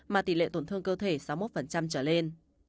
mà tỷ lệ tổn thương cơ thể sáu mươi một trở lên